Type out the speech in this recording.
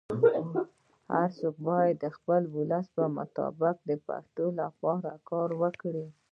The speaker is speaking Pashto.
هرڅوک باید د خپل وس مطابق د پښتو لپاره کار وکړي.